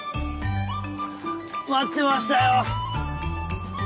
待ってましたよ。